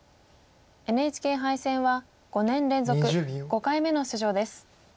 ＮＨＫ杯戦は５年連続５回目の出場です。